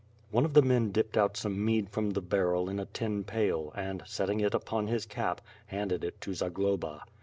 One of the men dipped out some mead from the barrel in a tin pail and, setting it upon his cap, handed it to Za globa.